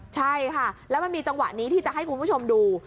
ใช่ค่ะแล้วมันมีจังหวะนี้ที่จะให้คุณผู้ชมดู